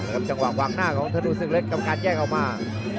ครับจังหวะหวังหน้าของธนูษย์สึกเล็กกำการแยกออกมา